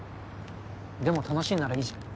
でも楽しいならいいじゃん。